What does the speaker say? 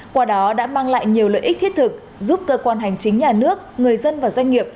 qua đó đã mang lại nhiều lợi ích thiết thực giúp cơ quan hành chính nhà nước người dân và doanh nghiệp